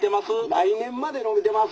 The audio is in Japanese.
「来年までのびてます」。